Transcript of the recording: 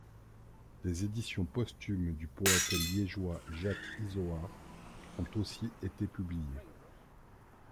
Des éditions posthumes du poète liégeois Jacques Izoard ont aussi été publiées.